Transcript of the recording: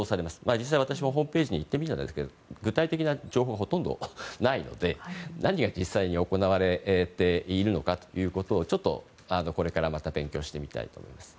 実際、私もホームページを見てみたんですが具体的な情報はほとんどないので何が実際に行われているのかということをちょっとこれからまた勉強してみたいと思います。